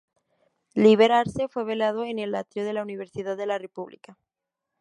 Líber Arce fue velado en el atrio de la Universidad de la República.